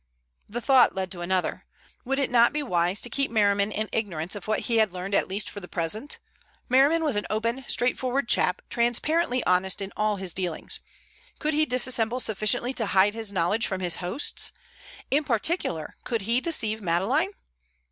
The thought led to another. Would it not be wise to keep Merriman in ignorance of what he had learned at least for the present? Merriman was an open, straightforward chap, transparently honest in all his dealings. Could he dissemble sufficiently to hide his knowledge from his hosts? In particular could he deceive Madeleine?